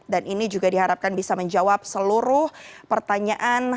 dan ini juga diharapkan bisa menjawab seluruh pertanyaan